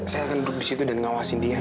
saya akan duduk di situ dan ngawasin dia